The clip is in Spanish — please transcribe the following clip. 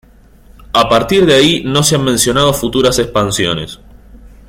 A partir de ahí no se han mencionado futuras expansiones.